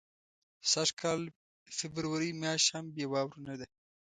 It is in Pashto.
سږ کال فبرورۍ میاشت هم بې واورو نه ده.